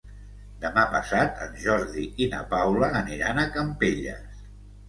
Demà passat en Jordi i na Paula aniran a Campelles.